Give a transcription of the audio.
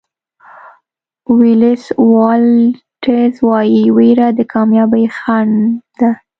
ولېس واټلز وایي وېره د کامیابۍ خنډ ده.